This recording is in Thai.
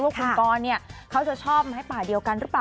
ว่าคุณกรเขาจะชอบไม้ป่าเดียวกันหรือเปล่า